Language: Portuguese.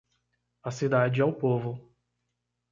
A cidade é o povo.